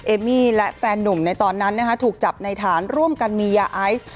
เอมี่และแฟนหนุ่มในตอนนั้นถูกจับในฐานร่วมกันมียาไอซ์